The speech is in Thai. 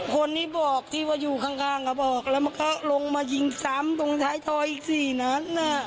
คนที่บอกที่ว่าอยู่ข้างเขาบอกแล้วมันก็ลงมายิงซ้ำตรงท้ายทอยอีก๔นัด